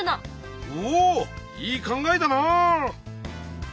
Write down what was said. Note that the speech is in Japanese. おいい考えだなあ！